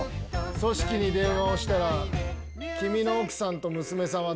組織に電話をしたら君の奥さんと娘さんは